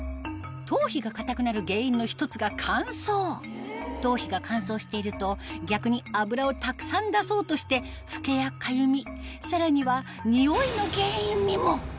頭皮が硬くなる原因の一つが乾燥頭皮が乾燥していると逆に脂をたくさん出そうとしてフケやかゆみさらにはニオイの原因にも！